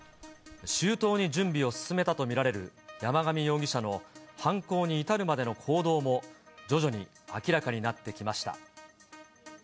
周到に準備を進めたと見られる山上容疑者の、犯行に至るまでの行動も徐々に明らかになってきました。